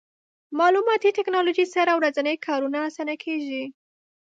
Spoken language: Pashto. مالوماتي ټکنالوژي سره ورځني کارونه اسانه کېږي.